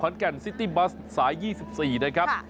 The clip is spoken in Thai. แก่นซิตี้บัสสาย๒๔นะครับ